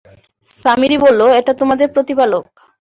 সামিরী বলল, এটা তোমাদের প্রতিপালক।